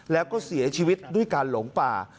แล้วก็เสียชีวิตด้วยการหลงป่า